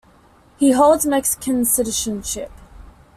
He holds Mexican citizenship.